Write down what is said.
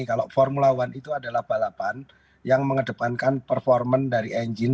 kalau formula one itu adalah balapan yang mengedepankan performa dari engine